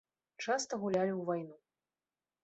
Часта гулялі ў вайну.